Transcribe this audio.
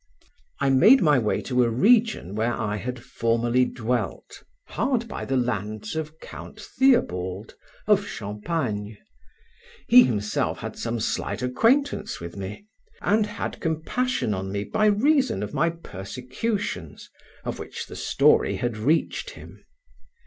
I made my way to a region where I had formerly dwelt, hard by the lands of Count Theobald (of Champagne). He himself had some slight acquaintance with me, and had compassion on me by reason of my persecutions, of which the story had reached him.